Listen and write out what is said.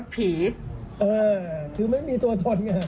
ถือมันไม่มีตัวตน